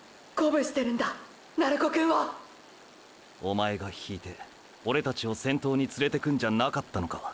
おまえが引いてオレたちを先頭に連れてくんじゃなかったのか。